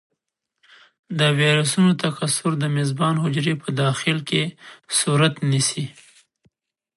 د ویروسونو تکثر د میزبان حجرې په داخل کې صورت نیسي.